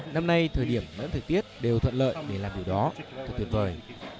năm nay thời điểm lẫn thời tiết đều thuận lợi để làm điều đó thật tuyệt vời